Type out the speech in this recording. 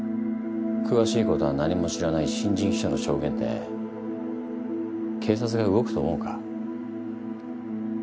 詳しいことは何も知らない新人秘書の証言で警察が動くと思うか？